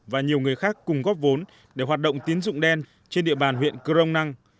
và nhiều người khác cùng góp vốn để hoạt động tín dụng đen trên địa bàn huyện crong năng